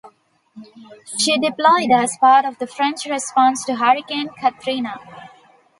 She deployed as part of the French response to Hurricane Katrina.